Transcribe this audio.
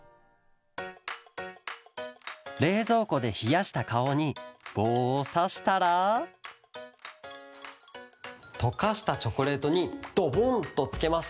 れいぞうこでひやしたかおにぼうをさしたら？とかしたチョコレートにドボンとつけます。